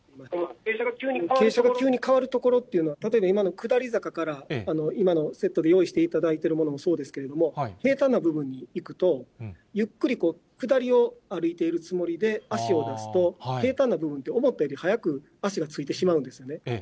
傾斜が急に変わるところというのは、例えば今の下り坂から、今のセットで用意していただいているものもそうですけれども、平たんな部分にいくと、ゆっくり下りを歩いているつもりで足を出すと、平たんな部分って、思ったより早く足がついてしまうんですね。